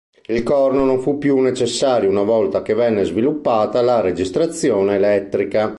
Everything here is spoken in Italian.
Il corno non fu più necessario una volta che venne sviluppata la registrazione elettrica.